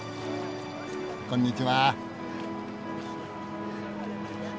こんにちは。